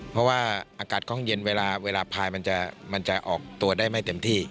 เพราะว่าอากาศคล่องเย็นเวลาพายมันจะออกตัวได้ไม่เต็มที่